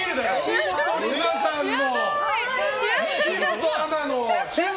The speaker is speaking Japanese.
岸本理沙さんの。